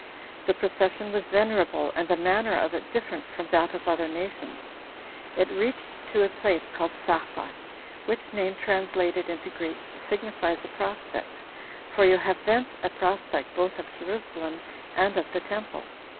The procession was venerable, and the manner of it different from that of other nations. It reached to a place called Sapha, which name, translated into Greek, signifies a prospect, for you have thence a prospect both of Jerusalem and of the temple.